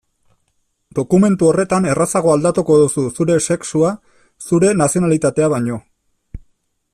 Dokumentu horretan errazago aldatuko duzu zure sexua zure nazionalitatea baino.